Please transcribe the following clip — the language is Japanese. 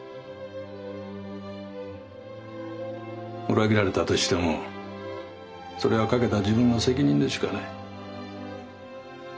裏切られたとしてもそれはかけた自分の責任でしかない。